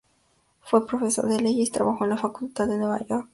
Fue profesor de leyes y trabajó en la Facultad de Nueva York.